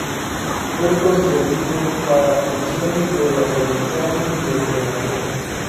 Fue concebido para funciones de aprendizaje y entrenamiento.